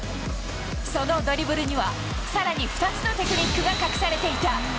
そのドリブルには、さらに２つのテクニックが隠されていた。